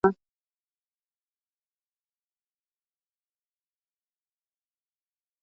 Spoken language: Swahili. anatarajia uchaguzi utamalizika kwa salama lakini Uganda ilikuwa inajiandaa na